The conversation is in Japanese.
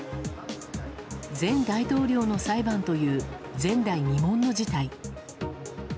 前大統領の裁判という前代未聞の事態。